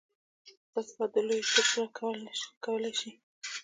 ستا صفت د لويي څوک پوره کولی شي.